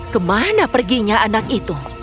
kemana perginya anak itu